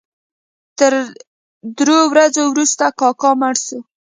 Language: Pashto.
تر درو ورځو وروسته کاکا مړ شو.